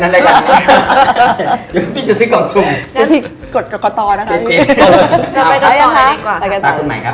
เดี๋ยวไปกับต่อให้ดีกว่าครับ